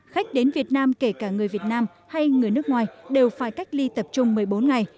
khách đến việt nam kể cả người việt nam hay người nước ngoài đều phải cách ly tập trung một mươi bốn ngày